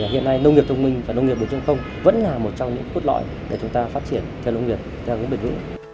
hiện nay nông nghiệp thông minh và nông nghiệp của nước không vẫn là một trong những khuất lõi để chúng ta phát triển cho nông nghiệp cho nông nghiệp biển vĩ